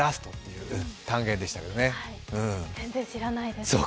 全然知らないです。